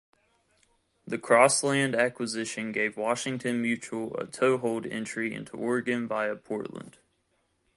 The CrossLand acquisition gave Washington Mutual a toe hold entry into Oregon via Portland.